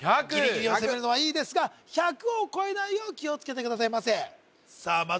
ギリギリを攻めるのはいいですが１００を超えないよう気をつけてくださいませさあ